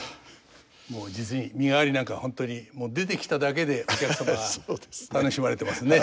もう実に「身替」なんかは本当にもう出てきただけでお客様が楽しまれてますね。